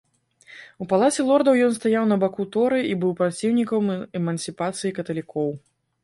У палаце лордаў ён стаяў на баку торы і быў праціўнікам эмансіпацыі каталікоў.